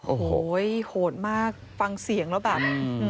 โอ้โหโหดมากฟังเสียงแล้วแบบ